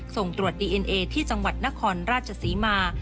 ส่งตรวจดีเอ็นเอที่จังหวัดนครราชศรีมา